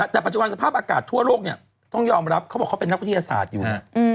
แต่ปัจจุบันสภาพอากาศทั่วโลกต้องยอมรับเขาเป็นนักกฤทธิยศาสตร์อยู่